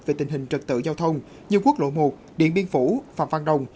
về tình hình trật tự giao thông như quốc lộ một điện biên phủ phạm văn đồng